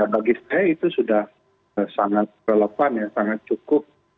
bagi saya itu sudah sangat relevan ya sangat cukup